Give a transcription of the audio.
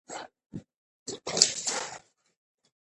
د خودکشي یا قتل په اړه دوه متفاوت نظرونه دي.